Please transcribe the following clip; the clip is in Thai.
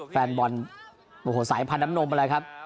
แฟนบอลโอ้โหสายพันธุน้ำนมอะไรครับ